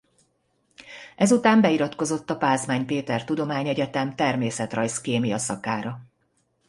Ezután beiratkozott a Pázmány Péter Tudományegyetem természetrajz-kémia szakára.